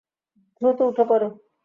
দ্রুত উঠে পড়ো।